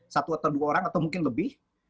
satu atau dua orang atau mungkin lebih